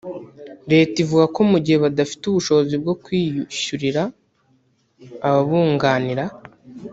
Leta ivuga ko mu gihe badafite ubushobozi bwo kwiyishyurira ababunganira